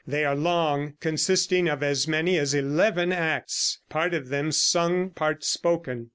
They are long, consisting of as many as eleven acts, part of them sung, part spoken.